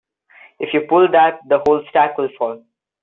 If you pull that the whole stack will fall.